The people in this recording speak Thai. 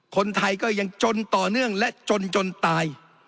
คนไทยก็ยังจนต่อเนื่องและจนจนตาย